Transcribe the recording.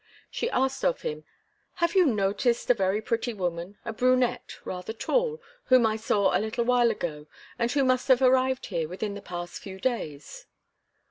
She asked of him: "Have you noticed a very pretty woman, a brunette, rather tall, whom I saw a little while ago, and who must have arrived here within the past few days?"